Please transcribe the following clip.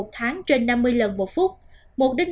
hai một mươi một tháng trên năm mươi lần một phút